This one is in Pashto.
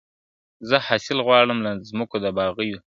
زه حاصل غواړم له مځکو د باغلیو `